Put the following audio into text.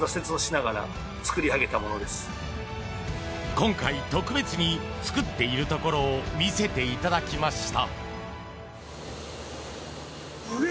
今回、特別に作っているところを見せていただきました。